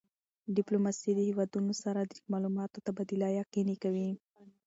ډیپلوماسي له هېوادونو سره د معلوماتو تبادله یقیني کوي.